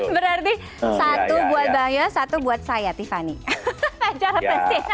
berarti satu buat bang yos satu buat saya tiffany